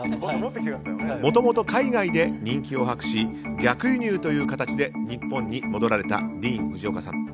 もともと海外で人気を博し逆輸入という形で日本に戻られたディーン・フジオカさん。